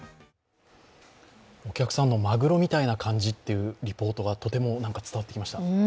お客さんのまぐろみたいな感じというリポートがとても伝わってきました。